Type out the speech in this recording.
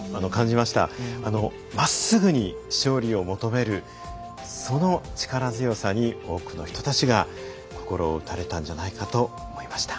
まっすぐに勝利を求めるその力強さに多くの人たちが心を打たれたんじゃないかと思いました。